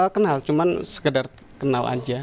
kenal cuma sekedar kenal aja